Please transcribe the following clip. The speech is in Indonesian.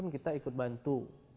kita ikut bantu